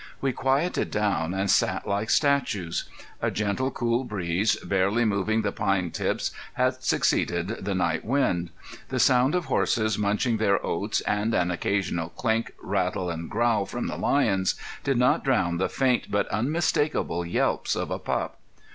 We quieted down and sat like statues. A gentle, cool breeze, barely moving the pine tips, had succeeded the night wind. The sound of horses munching their oats, and an occasional clink, rattle, and growl from the lions did not drown the faint but unmistakable yelps of a pup.